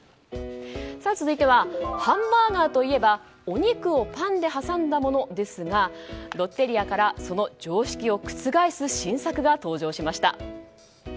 続いてはハンバーガーといえばお肉をパンで挟んだものですがロッテリアからその常識を覆す新作が登場しました。